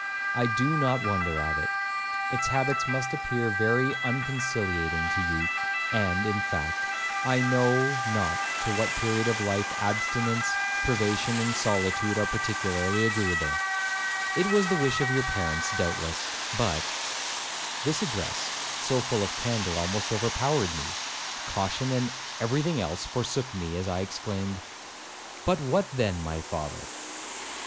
I do not wonder at it; its habits must appear very unconciliating to youth, and, in fact, I know not to what period of life abstinence, privation, and solitude, are particularly agreeable; it was the wish of your parents doubtless; but'—This address, so full of candour, almost overpowered me; caution and every thing else forsook me as I exclaimed, 'But what then, my father?'